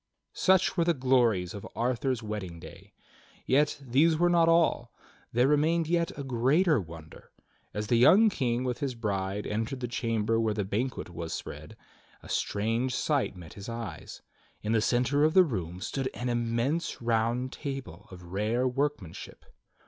Such were the glories of Arthur's wedding day. Yet, these were not all. There remained yet a greater wonder. As the young King with his bride entered the chamber where the banquet was spread, a strange sight met his eyes: In the centre of the room stood an immense round table of rare workmanship.